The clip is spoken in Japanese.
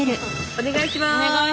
お願いします。